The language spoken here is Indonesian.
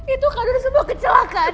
itu kak itu semua kecelakaan